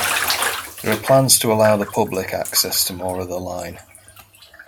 There are plans to allow public access to more of the line.